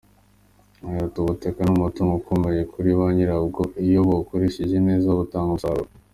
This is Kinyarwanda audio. Yagize ati “Ubutaka ni umutungo ukomeye kuri nyirabwo iyo bukoreshejwe neza butanga umusaruro.